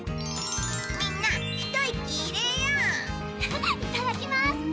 みんなひと息入れよう。いただきます。